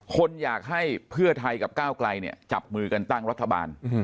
คนอยากให้เพื่อไทยกับก้าวไกลเนี่ยจับมือกันตั้งรัฐบาล